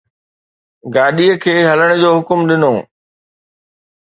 گاڏيءَ کي هلڻ جو حڪم ڏنو